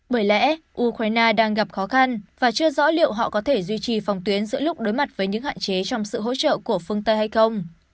bởi lẽ ukraine đang gặp khó khăn và chưa rõ liệu họ có thể duy trì phòng tuyến giữa lúc đối mặt với những hạn chế trong sự hỗ trợ của phương tây hay không